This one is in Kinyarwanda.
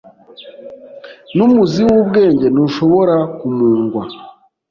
n’umuzi w’ubwenge ntushobora kumungwa.